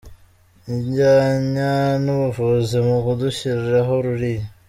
ajyanya n’ubuvuzi mu kudushyiriraho ririya.